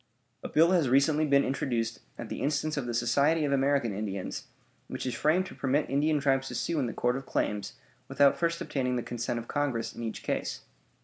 A bill has recently been introduced, at the instance of the Society of American Indians, which is framed to permit Indian tribes to sue in the Court of Claims, without first obtaining the consent of Congress in each case.